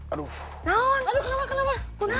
aduh kenapa kenapa